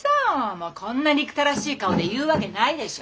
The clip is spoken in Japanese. もうこんな憎たらしい顔で言うわけないでしょ。